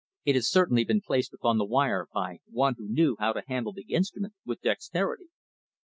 It has certainly been placed upon the wire by one who knew how to handle the instrument with dexterity."